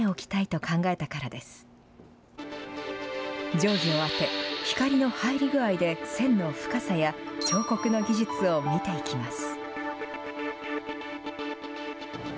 定規を当て、光の入り具合で線の深さや彫刻の技術を見ていきます。